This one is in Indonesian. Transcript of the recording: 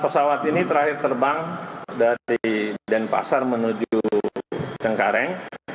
pesawat ini terakhir terbang dari denpasar menuju cengkareng